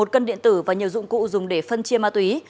một cân điện tử và nhiều dụng cụ dùng để phân chia ma túy